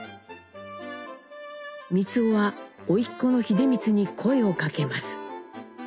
光男はおいっ子の英光に声をかけます。